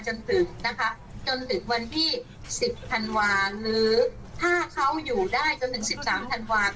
จนถึงวันที่สิบธันวาห์หรือถ้าเขาอยู่ได้จนถึงสิบสามธันวาห์